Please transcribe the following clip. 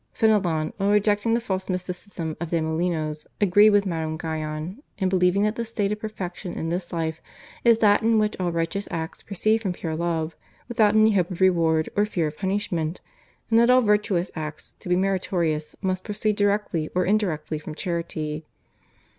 Fenelon, while rejecting the false mysticism of de Molinos, agreed with Madame Guyon in believing that the state of perfection in this life is that in which all righteous acts proceed from pure love without any hope of reward or fear of punishment, and that all virtuous acts to be meritorious must proceed directly or indirectly from charity.